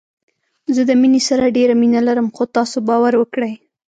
زه د مينې سره ډېره مينه لرم خو تاسو باور وکړئ